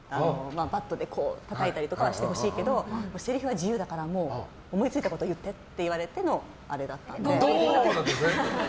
バットでたたいたりとかはしてほしいけどせりふは自由だから思いついたこと言ってと言われてのあれだったので。